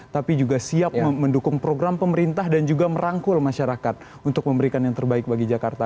tapi juga siap mendukung program pemerintah dan juga merangkul masyarakat untuk memberikan yang terbaik bagi jakarta